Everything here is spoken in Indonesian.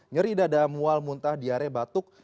nyeri dada mual muntah diare batuk